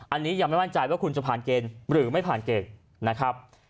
อันนี้ยังไม่มั่นใจว่าคุณจะผ่านเกณฑ์หรือไม่ผ่านเกณฑ์นะครับ